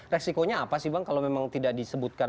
resikonya apa sih bang kalau memang tidak disebutkan